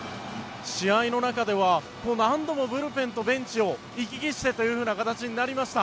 試合の中では何度もブルペンとベンチを行き来してというふうな形になりました。